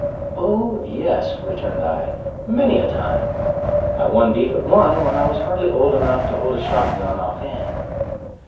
"Oh, yes," returned I, "many a time. I won beef at one when I was hardly old enough to hold a shot gun off hand."